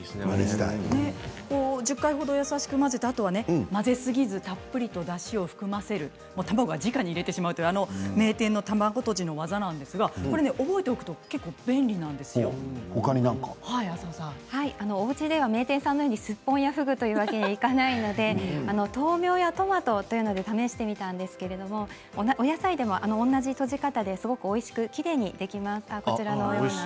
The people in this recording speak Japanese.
１０回程優しく混ぜたあとは混ぜすぎずたっぷりとだしを含ませる卵自体に入れてしまう名店の卵とじの技ですがおうちでは名店さんのようにスッポンやふぐというわけにはいかないので豆苗やトマトというので試してみたんですがお野菜でも同じとじ方ですごくおいしくきれいにできました。